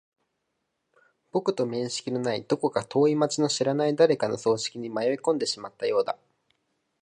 僕と面識のない、どこか遠い街の知らない誰かの葬式に迷い込んでしまったようだ。